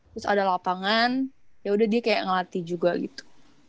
terus ada lapangan yaudah dia kayak ngelatih juga gitu